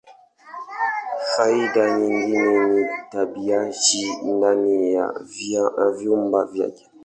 Faida nyingine ni tabianchi ndani ya vyumba vyake.